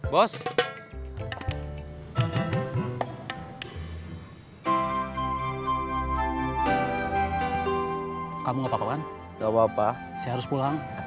boarding bentuk yang lagi dupl refersing bridge